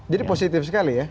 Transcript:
jadi positif sekali ya